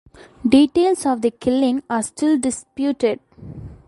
Details of the killing are still disputed.